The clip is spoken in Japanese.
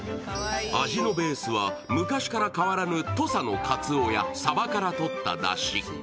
味のベースは昔から変わらぬ土佐のかつおやさばからとっただし。